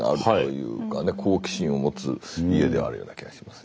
好奇心を持つ家ではあるような気がします。